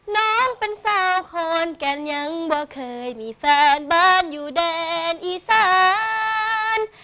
น้องเป็นเศร้าคนกันยังว่าเคยมีแฟนบ้านอยู่เดนอีสาน